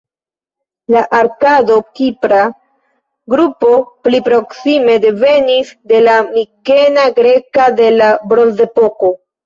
La arkado-kipra grupo pli proksime devenis de la mikena greka de la Bronzepoko.